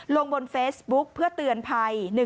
ลงบนเฟซบุ๊กเพื่อเตือนภัย